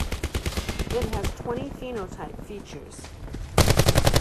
It has twenty phenotype features.